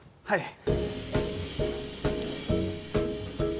はい！